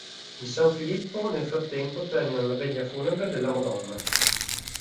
In San Filippo, nel frattempo, termina la veglia funebre della Madonna.